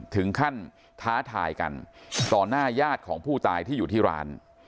ถึงขั้นท้าทายกันต่อหน้าญาติของผู้ตายที่อยู่ที่ร้าน